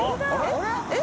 えっ？